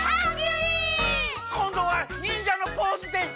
こんどはにんじゃのポーズでハングリー！